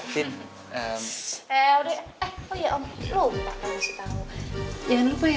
cindy eh udah ya